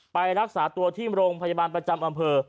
ไปรักษาตัวที่โรงพยาบาลประจำอำเภอ